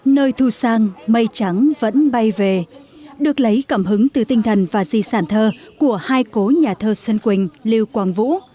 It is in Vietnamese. nơi thu sang mây trắng vẫn bay về được lấy cảm hứng từ tinh thần và di sản thơ của hai cố nhà thơ xuân quỳnh liêu quang vũ